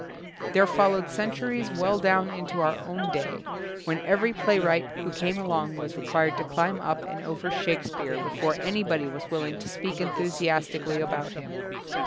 There followed centuries well down into our own day, when every play wright who came along was required to climb up and over Shakespeare be fore anybody was willing to speak en thusiastically about him.